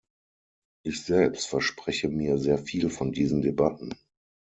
Ich selbst verspreche mir sehr viel von diesen Debatten.